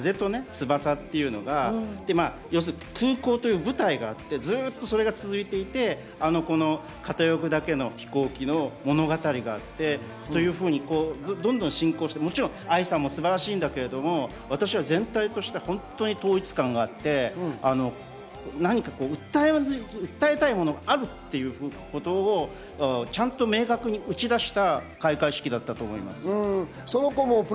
風と翼っていうのが空港という舞台があって、ずっとそれが続いていて、片翼だけの飛行機の物語があって、どんどん進行して、愛さんも素晴らしいんだけど、私は全体として本当に統一感があって、何か訴えたいものがあるっていうことをちゃんと明確に打ち出した開会式だったと思います。